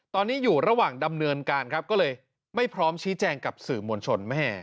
ตอนนี้อยู่ระหว่างดำเนินการครับก็เลยไม่พร้อมชี้แจงกับสื่อมวลชน